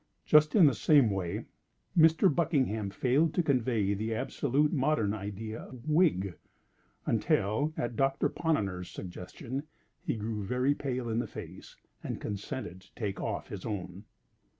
Just in the same way Mr. Buckingham failed to convey the absolutely modern idea "wig," until (at Doctor Ponnonner's suggestion) he grew very pale in the face, and consented to take off his own.